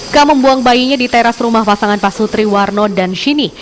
k membuang bayinya di teras rumah pasangan pak sutri warno dan shini